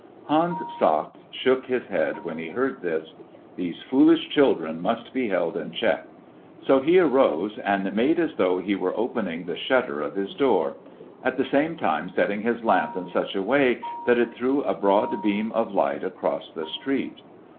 Hans Sachs shook his head when he heard this. These foolish children must be held in check. So he arose and made as though he were opening the shutter of his door, at the same time setting his lamp in such a way that it threw a broad beam of light across the street.